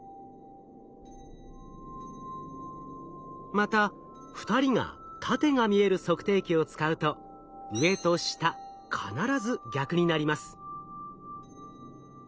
また２人が縦が見える測定器を使うと上と下必ず逆になります。